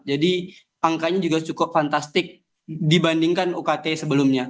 jadi angkanya juga cukup fantastik dibandingkan ukt sebelumnya